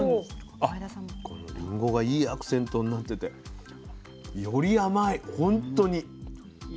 このリンゴがいいアクセントになっててより甘いほんとに。